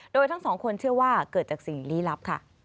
โดยทั้งสองคนเชื่อว่าเกิดจากสิ่งลี้ลับค่ะ